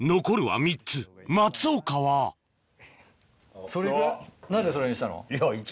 残るは３つ松岡はそれ行く？